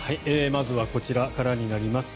まずはこちらからになります。